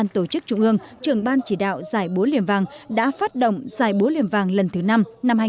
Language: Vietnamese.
tổ chức trung ương trưởng ban chỉ đạo giải búa liềm vàng đã phát động giải búa liềm vàng lần thứ năm năm hai nghìn hai mươi